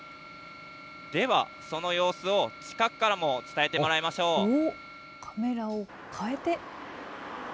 ではその様子を近くからも伝えてカメラを変えて。